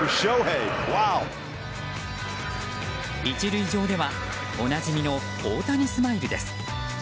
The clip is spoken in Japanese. １塁上ではおなじみの大谷スマイルです。